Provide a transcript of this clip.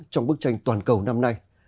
trong bức tranh toàn cầu năm nay